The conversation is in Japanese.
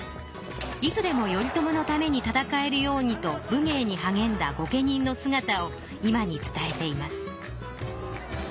いつでも頼朝のために戦えるようにと武芸にはげんだ御家人のすがたを今に伝えています。